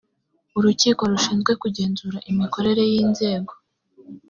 urukiko rushinzwe kugenzura imikorere y’inzego